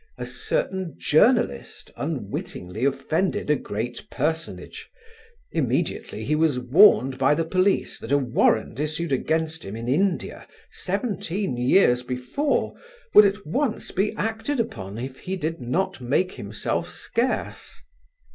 A certain journalist unwittingly offended a great personage. Immediately he was warned by the police that a warrant issued against him in India seventeen years before would at once be acted upon if he did not make himself scarce.